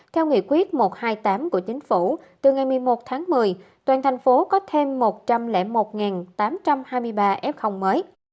theo nghị quyết một trăm hai mươi tám của chính phủ từ ngày một mươi một tháng một mươi toàn thành phố có thêm một trăm linh một tám trăm hai mươi ba f mới